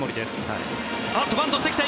バントしてきた。